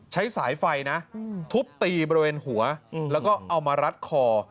ใช้สายไฟนะทุบตีบริเวณหัวแล้วก็เอามารัดคอ